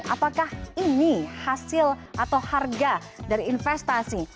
apakah ini hasil atau harga dari investasi